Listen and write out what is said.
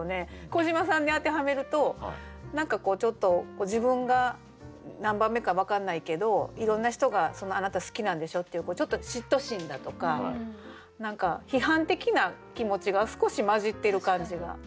小島さんに当てはめると何かこうちょっと自分が何番目か分かんないけどいろんな人があなた好きなんでしょっていうちょっと嫉妬心だとか何か批判的な気持ちが少し混じってる感じがしますね。